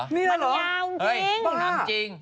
มันยาวจริง